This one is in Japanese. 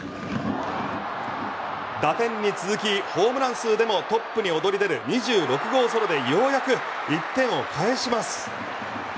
打点に続きホームラン数でもトップに躍り出る２６号ソロでようやく１点を返します。